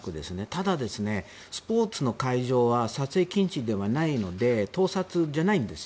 ただ、スポーツの会場は撮影禁止ではないので盗撮じゃないんです。